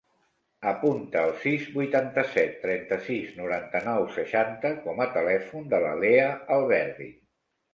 Apunta el sis, vuitanta-set, trenta-sis, noranta-nou, seixanta com a telèfon de la Lea Alberdi.